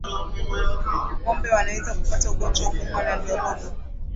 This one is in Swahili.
Ngombe wanaweza kupata ugonjwa kwa kuumwa na ndorobo